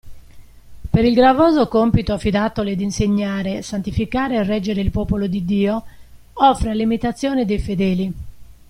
Per il gravoso compito affidatole di insegnare, santificare e reggere il Popolo di Dio, offre all'imitazione dei fedeli.